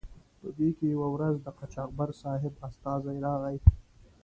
په دې کې یوه ورځ د قاچاقبر صاحب استازی راغی.